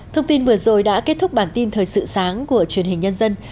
thông tin vừa rồi đã kết thúc bản tin thời sự sáng của truyền hình nhân dân